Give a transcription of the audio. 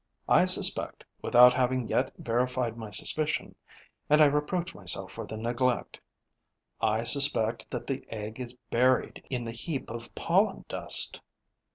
I suspect, without having yet verified my suspicion and I reproach myself for the neglect I suspect that the egg is buried in the heap of pollen dust.